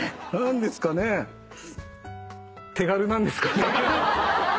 手軽なんですかね。